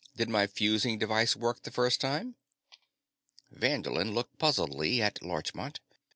Did my fusing device work the first time?" Vanderlin looked puzzledly at Larchmont.